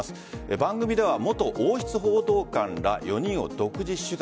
番組では元王室報道官ら４人を独自取材。